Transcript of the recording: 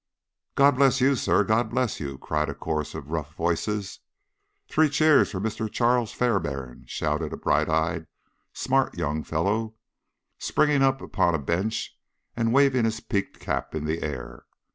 "God bless you, sir! God bless you!" cried a chorus of rough voices. "Three cheers for Mr. Charles Fairbairn!" shouted a bright eyed, smart young fellow, springing up upon a bench and waving his peaked cap in the air.